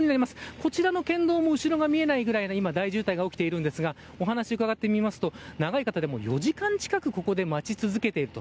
こちらの県道も後ろが見えないぐらいな、今、大渋滞が起きているんですが、お話し伺ってみますと、長い方で４時間近くここで待ち続けていると。